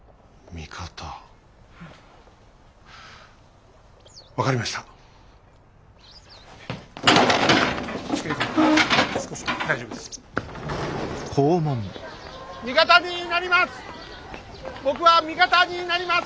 味方になります！